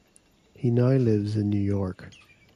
He now lives in New York.